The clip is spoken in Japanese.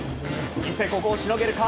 伊勢、ここをしのげるか。